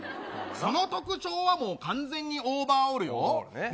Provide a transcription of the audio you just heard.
その特徴はもう完全にオーバーオールよ、ね。